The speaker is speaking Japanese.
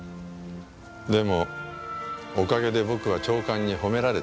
でもおかげで僕は長官に褒められてね。